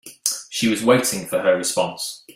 She was waiting for her response.